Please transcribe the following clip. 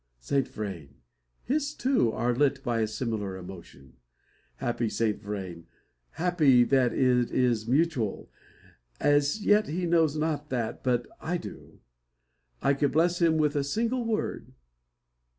Saint Vrain! His, too, are lit by a similar emotion! Happy Saint Vrain! Happy that it is mutual. As yet he knows not that, but I do. I could bless him with a single word.